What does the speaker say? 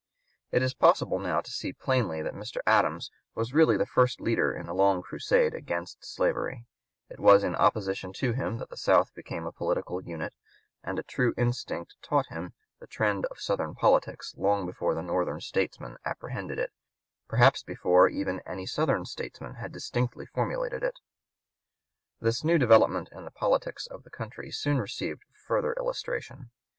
It is possible now to see plainly that Mr. Adams was really the first leader in the long crusade against slavery; it was in opposition to him that the South became a political unit; and a true instinct taught him the trend of Southern politics long before the Northern statesmen apprehended it, perhaps before even any Southern statesman had distinctly formulated it. This new development in the politics of the country soon received further illustration.